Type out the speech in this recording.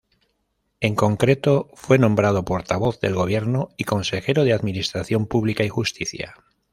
En concreto fue nombrado portavoz del Gobierno y consejero de Administración Pública y Justicia.